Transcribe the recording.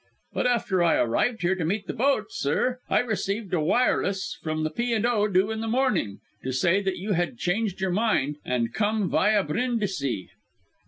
"But after I arrived here to meet the boat, sir I received a wireless from the P. and O. due in the morning, to say that you had changed your mind, and come via Brindisi." Dr.